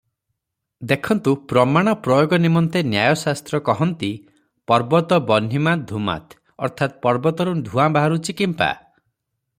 ଦେଖନ୍ତୁ ପ୍ରମାଣ ପ୍ରୟୋଗ ନିମନ୍ତେ ନ୍ୟାୟଶାସ୍ତ୍ର କହନ୍ତି, "ପର୍ବତୋବହ୍ନିମାନ୍ ଧୂମାତ୍" ଅର୍ଥାତ୍ ପର୍ବତରୁ ଧୂଆଁ ବାହାରୁଛି କିପାଁ?